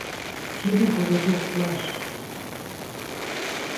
Seni bulacaklar.